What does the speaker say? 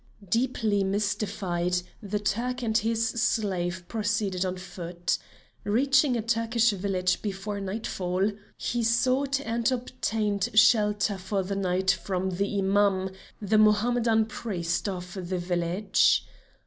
Deeply mystified, the Turk and his slave proceeded on foot. Reaching a Turkish village before nightfall, he sought and obtained shelter for the night from the Imam, the Mohammedan priest of the village.